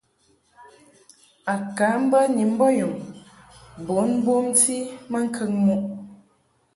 A ka mbə ni mbɔnyum bun bomti maŋkəŋ muʼ.